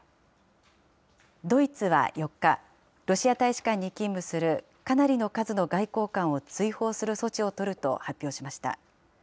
ドイツは４日、ロシア大使館に勤務するかなりの数の外交官を追放する措置を取ると発表しました。